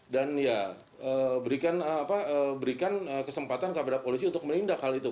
dan ya berikan kesempatan kepada polisi untuk menindak hal itu